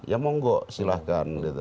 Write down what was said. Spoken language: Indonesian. ya monggo silahkan